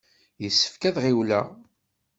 Yessefk ad ɣiwleɣ!